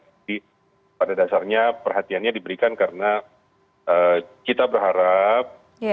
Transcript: jadi pada dasarnya perhatiannya diberikan karena kita berharap